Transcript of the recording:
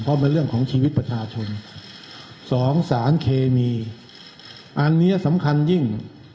เพราะเป็นเรื่องของชีวิตประชาชนสองสารเคมีอันเนี้ยสำคัญยิ่ง